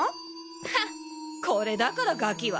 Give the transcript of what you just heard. ハッコレだからガキは！